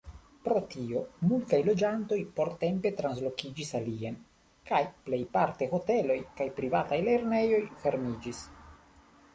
Pro tio multaj loĝantoj portempe translokiĝis alien, kaj plejparte hoteloj kaj privataj lernejoj fermiĝis.